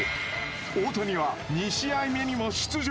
大谷は２試合目にも出場。